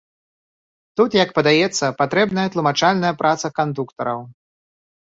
Тут, як падаецца, патрэбная тлумачальная праца кандуктараў.